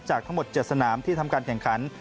ทั้งหมด๗สนามที่ทำการแข่งขัน